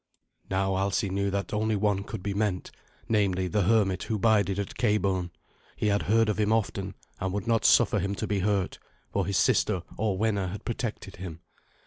Now, Alsi knew that only one could be meant namely, the hermit who bided at Cabourn. He had heard of him often, and would not suffer him to be hurt, for his sister Orwenna had protected him.